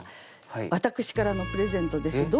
私からのプレゼントです。